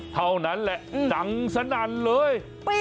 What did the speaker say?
เท่านั้นแหละดังสนั่นเลย